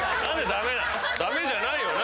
駄目じゃないよね？